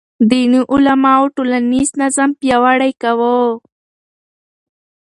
دیني علماو ټولنیز نظم پیاوړی کاوه.